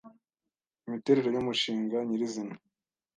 imiterere yumushinga nyirizina